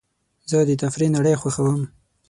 زه د تفریح نړۍ خوښوم.